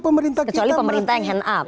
pemerintah kita kecuali pemerintah yang hand up